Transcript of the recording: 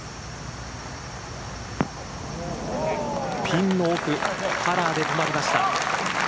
ピンの奥カラーで止まりました。